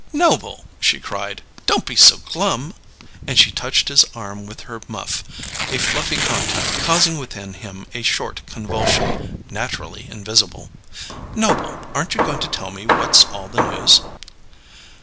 "Noble!" she cried. "Don't be so glum!" And she touched his arm with her muff, a fluffy contact causing within him a short convulsion, naturally invisible. "Noble, aren't you going to tell me what's all the news?"